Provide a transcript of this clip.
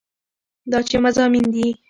دا چې مضامين دي